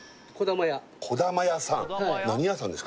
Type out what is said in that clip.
小玉家さん何屋さんですか？